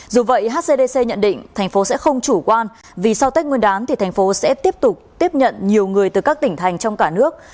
dù vậy hcdc nhận định thành phố sẽ không chủ quan vì sau tết nguyên đán thì thành phố sẽ tiếp tục tiếp nhận nhiều người từ các tỉnh thành trong cả nước